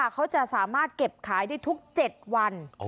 เขาจะสามารถเก็บขายได้ทุก๗วัน